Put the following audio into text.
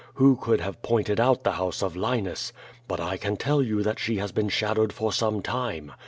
Who could have pointed out the house of Linus? But I can tell you that she has been shadowed for some time.